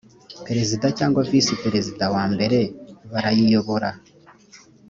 perezida cyangwa visi perezida wa mbere barayiyobora